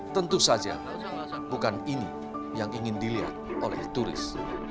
tentu saja bukan ini yang ingin dilihat oleh turis